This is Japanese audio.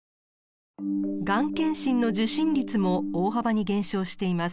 がん検診の受診率も大幅に減少しています。